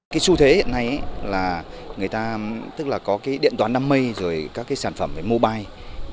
cái xu thế hiện nay là người ta có điện toán năm mươi các sản phẩm mobile